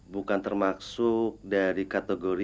bukan termaksud dari kategori